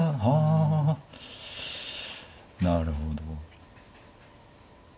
なるほど。